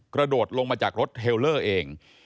กระโดดลงมาจากรถเทลเลอร์เอง